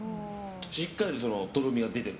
しっかり、とろみが出てる。